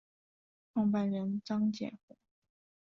创办人张建宏。